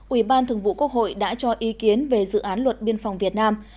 ủy ban thường vụ quốc hội đã cho ý kiến về dự án luật biên phòng việt nam